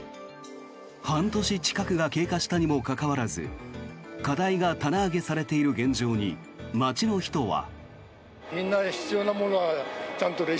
半年近くが経過したにもかかわらず課題が棚上げされている現状に街の人は。